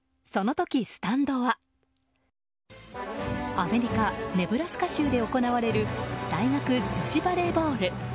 アメリカ・ネブラスカ州で行われる大学女子バレーボール。